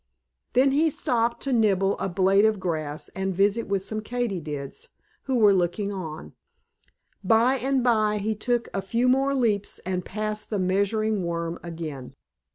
Then he stopped to nibble a blade of grass and visit with some Katydids who were looking on. By and by he took a few more leaps and passed the Measuring Worm again.